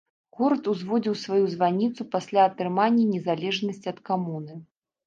Горад узводзіў сваю званіцу пасля атрымання незалежнасці ад камуны.